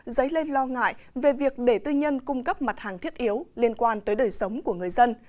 dấy lên lo ngại về việc để tư nhân cung cấp mặt hàng thiết yếu liên quan tới đời sống của người dân